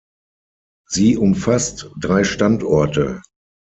Sie umfasst drei Standorte.